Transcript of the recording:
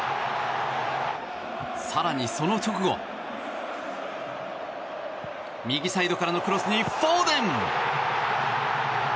更に、その直後右サイドからのクロスにフォーデン。